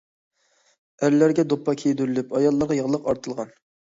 ئەرلەرگە دوپپا كىيدۈرۈلۈپ، ئاياللارغا ياغلىق ئارتىلغان.